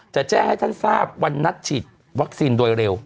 จะแจ้งให้ท่านทราบวันนัดฉีดวัคซีนโดยเร็ว